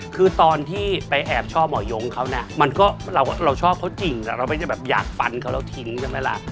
คือตอนที่ไปแอบชอบหมอยงเขาเนี่ยมันก็เราชอบเขาจริงเราไม่ได้แบบอยากฟันเขาแล้วทิ้งใช่ไหมล่ะ